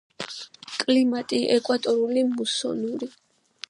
კლიმატი ეკვატორული, მუსონური.